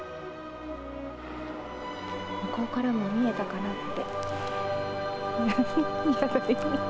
向こうからも見えたかなって。